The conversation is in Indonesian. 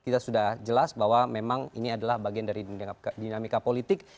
kita sudah jelas bahwa memang ini adalah bagian dari dinamika politik